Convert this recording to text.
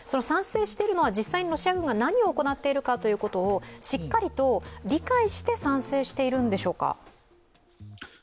賛成しているのは実際にロシア軍が何を行っているのかということをしっかりと理解して賛成しているんでしょうか。